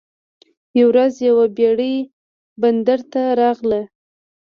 یوه ورځ یوه بیړۍ بندر ته راغله.